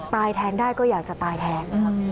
แทนได้ก็อยากจะตายแทน